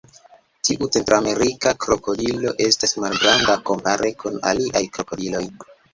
Tiu centramerika krokodilo estas malgranda kompare kun aliaj krokodiloj.